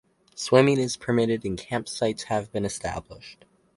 Swimming is permitted and camp sites have been established.